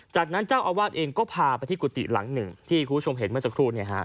จากนั้นเจ้าอาวาสเองก็พาไปที่กุฏิหลังหนึ่งที่คุณผู้ชมเห็นเมื่อสักครู่